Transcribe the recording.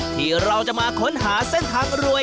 ที่เราจะมาค้นหาเส้นทางรวย